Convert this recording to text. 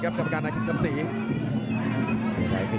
กำทัพแทนกว่าเกดการชิ้นดับศีล